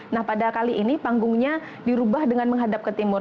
nah pada kali ini panggungnya dirubah dengan menghadap ke timur